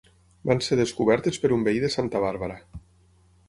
Van ser descobertes per un veí de Santa Bàrbara.